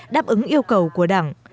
đáp ứng yêu cầu của đảng